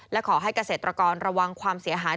และขอให้เกษตรกรระวังความเสียหาย